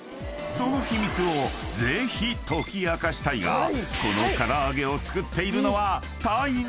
［その秘密をぜひ解き明かしたいがこのから揚げを］